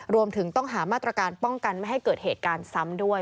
รวมถึงต้องหามาตรการป้องกันไม่ให้เกิดเหตุการณ์ซ้ำด้วย